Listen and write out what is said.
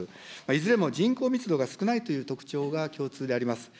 いずれも人口密度が少ないという特徴が共通であります。